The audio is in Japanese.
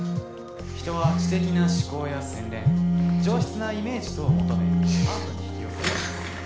人は知的な思考や洗練上質なイメージ等を求めアートに引き寄せられます